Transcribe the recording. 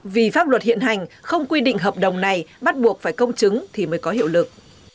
vì pháp luật hiện hành không quy định hợp đồng này bắt buộc phải công chứng thì mới có hiệu lực